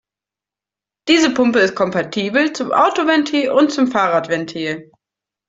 Diese Pumpe ist kompatibel zum Autoventil und zum Fahrradventil.